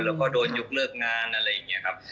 แล้วก็โดนยกเลิกงานอะไรอย่างนี้ครับ